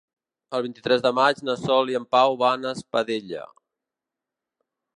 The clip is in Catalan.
El vint-i-tres de maig na Sol i en Pau van a Espadella.